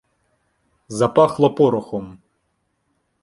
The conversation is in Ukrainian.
Запахло порохом.